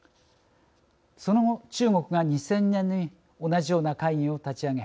その後、中国が２０００年に同じような会議を立ち上げ